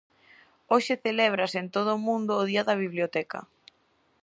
Hoxe celébrase en todo o mundo o Día da Biblioteca.